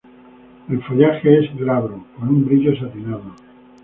El follaje es glabro con un brillo satinado.